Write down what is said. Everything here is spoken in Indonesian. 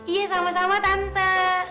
iya sama sama tante